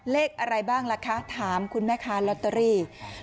เลขอะไรบ้างล่ะคะถามคุณแม่ค้าลอตเตอรี่